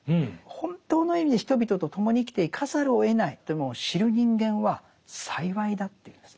本当の意味で人々と共に生きていかざるをえないというものを知る人間は幸いだというんです。